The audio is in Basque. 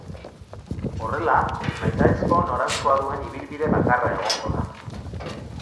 Horrela, nahitaezko noranzkoa duen ibilbide bakarra egongo da.